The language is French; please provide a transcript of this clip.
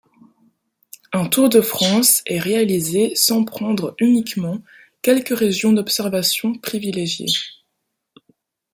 Un tour de France est réalisé sans prendre uniquement quelques régions d’observation privilégiées.